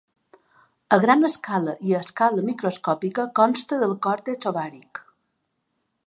A gran escala i a escala microscòpica, consta del còrtex ovàric.